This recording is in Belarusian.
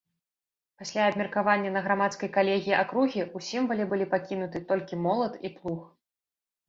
Пасля абмеркавання на грамадскай калегіі акругі ў сімвале былі пакінуты толькі молат і плуг.